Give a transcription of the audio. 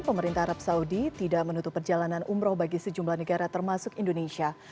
pemerintah arab saudi tidak menutup perjalanan umroh bagi sejumlah negara termasuk indonesia